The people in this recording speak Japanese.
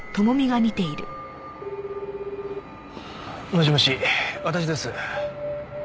もしもし私です。